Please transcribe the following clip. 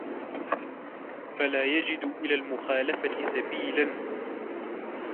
فَلَا يَجِدُ إلَى الْمُخَالَفَةِ سَبِيلًا